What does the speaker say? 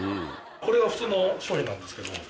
これは普通の商品なんですけど。